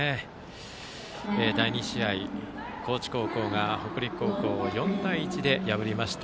第２試合高知高校が北陸高校を４対１で破りました。